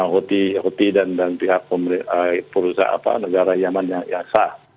houthi dan pihak perusahaan negara yang aman yang sah